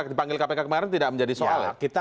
dipanggil kpk kemarin tidak menjadi soal ya